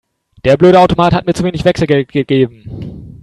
Der blöde Automat hat mir zu wenig Wechselgeld gegeben.